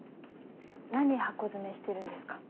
何箱詰めしてるんですか？